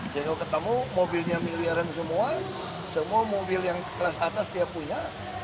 dia kalau ketemu mobilnya miliaran semua semua mobil yang kelas atas dia punya